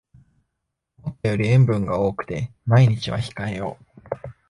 思ったより塩分が多くて毎日は控えよう